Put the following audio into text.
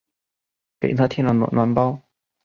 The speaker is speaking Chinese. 给她贴了暖暖包